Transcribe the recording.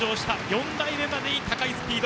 ４台目までに高いスピード。